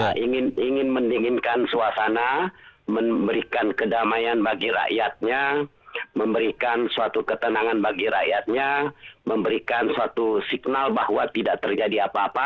kita ingin mendinginkan suasana memberikan kedamaian bagi rakyatnya memberikan suatu ketenangan bagi rakyatnya memberikan suatu signal bahwa tidak terjadi apa apa